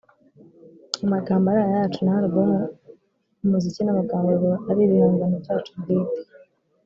amagambo ari ayacu naho album umuziki n’amagambo biba ari ibihangano byacu bwite”